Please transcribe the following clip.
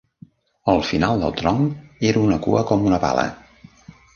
Al final del tronc era una cua com una pala.